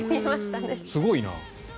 すごいな。